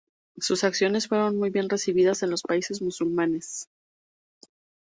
Sus acciones fueron muy bien recibidas en los países musulmanes.